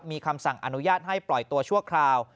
มีคำสั่งอนุญาตให้ปล่อยตัวชั่วคราว